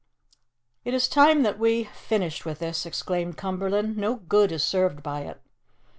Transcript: "It is time that we finished with this!" exclaimed Cumberland. "No good is served by it."